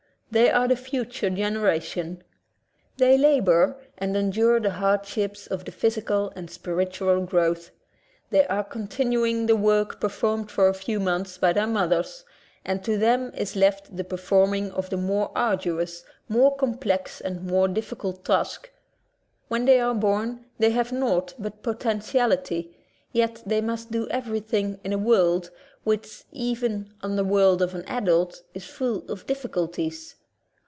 They are the future generation. They labor and endure the hard ships of the physical and spiritual growth. They are continuing the work performed for a few months by their mothers, and to them is left the performing of the more arduous, more complex, and more difficult task. When they are born they have naught but poten tiality, yet they must do everything in a world which, even on the word of an adult, is full of difficulties.